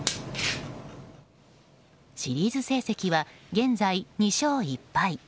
シリーズ成績は現在、２勝１敗。